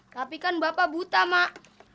tapi kan bapak buta mak